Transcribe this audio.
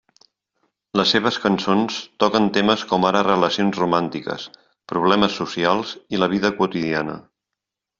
Les seves cançons toquen temes com ara relacions romàntiques, problemes socials i la vida quotidiana.